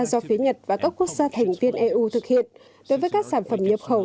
do phía nhật và các quốc gia thành viên eu thực hiện đối với các sản phẩm nhập khẩu